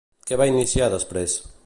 Què va iniciar després?